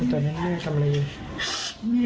ตอนนั้นแม่อักทำอะไร